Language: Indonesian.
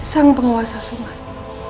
sang penguasa sungai